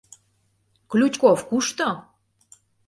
Ключков кушто?